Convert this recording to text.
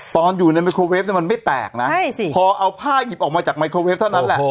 ตอนอยู่ในไมโครเวฟมันไม่แตกนะพอเอาผ้าหยิบออกมาจากไมโครเวฟเท่านั้นแหละ